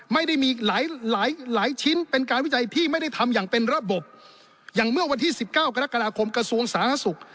ไม่ได้มีหลายหลายชิ้นเป็นการวิจัยที่ไม่ได้ทำอย่างเป็นระบบอย่างเมื่อวันที่สิบเก้ากรกฎาคมกระทรวงสาธารณสุข